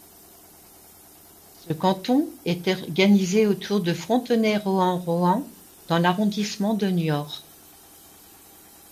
Ce canton est organisé autour de Frontenay-Rohan-Rohan dans l'arrondissement de Niort.